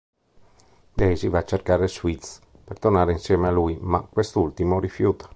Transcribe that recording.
Daisy va a cercare Sweets per tornare insieme a lui, ma quest'ultimo rifiuta.